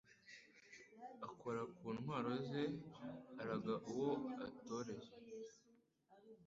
Akora ku ntwaro ze Araga uwo ataroye